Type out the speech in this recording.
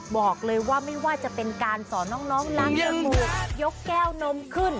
บอกเลยว่าไม่ว่าจะเป็นการสอนน้องล้างจมูกยกแก้วนมขึ้น